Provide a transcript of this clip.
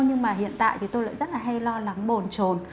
nhưng mà hiện tại thì tôi lại rất là hay lo lắng bồn trồn